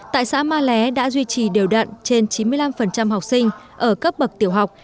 tại xã ma lé đã duy trì điều đặn trên chín mươi năm học sinh ở cấp bậc tiểu học